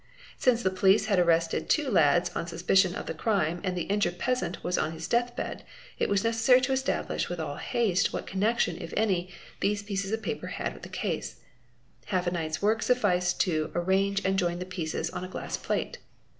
Since the police had arrested two lads on suspicion of the crime and the injured peasant was on his deathbed, it vas necessary to establish with all haste what connection, if any, these pieces of paper had with the case. Half a night's work sufficed to trange and join the pieces on a glass plate.